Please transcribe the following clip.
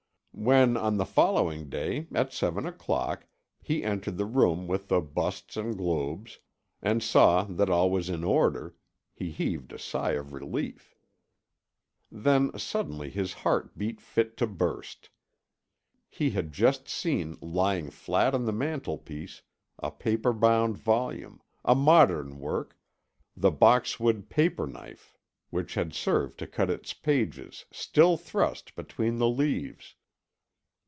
When, on the following day at seven o'clock he entered the room with the busts and globes, and saw that all was in order, he heaved a sigh of relief. Then suddenly his heart beat fit to burst. He had just seen lying flat on the mantelpiece a paper bound volume, a modern work, the boxwood paper knife which had served to cut its pages still thrust between the leaves.